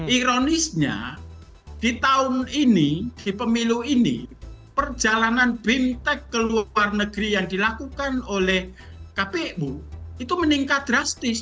ironisnya di tahun ini di pemilu ini perjalanan bintek ke luar negeri yang dilakukan oleh kpu itu meningkat drastis